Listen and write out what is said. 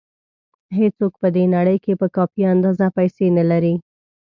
هېڅوک په دې نړۍ کې په کافي اندازه پیسې نه لري.